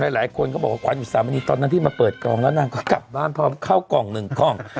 หลายคนก็บอกว่าขวัญอุตสามณีตอนนั้นที่มาเปิดกล่องแล้วนางก็กลับบ้านพร้อมเข้ากล่องหนึ่งกล่อง